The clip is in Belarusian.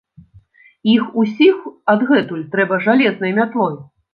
Іх усіх адгэтуль трэба жалезнай мятлой!